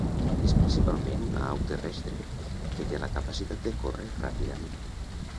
És principalment una au terrestre, que té la capacitat de córrer ràpidament.